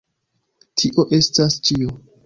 Tio estas ĉio